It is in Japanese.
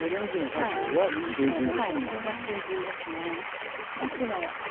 はいこれが囚人ですね。